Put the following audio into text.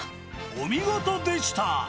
お見事でした！